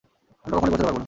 আমরা কখনোই পৌঁছাতে পারব না।